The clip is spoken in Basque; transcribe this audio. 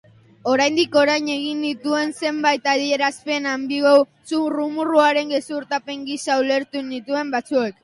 Oraindik orain egin nituen zenbait adierazpen anbiguo zurrumurruaren gezurtapen gisa ulertu zituzten batzuek.